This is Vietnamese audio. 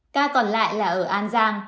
ca còn lại là ở an giang